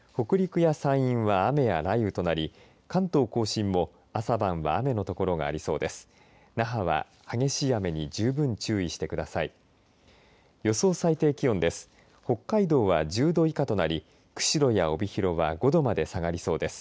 北陸や山陰は雨や雷雨となり関東甲信も朝晩は雨の所がありそうです。